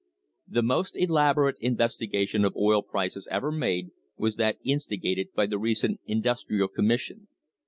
The most elaborate investigation of oil prices ever made was that instigated by the recent Industrial Commission.